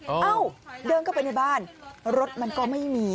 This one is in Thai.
เอ้าเดินเข้าไปในบ้านรถมันก็ไม่มี